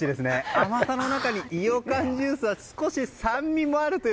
甘さの中にイヨカンジュースは少し酸味もあるという。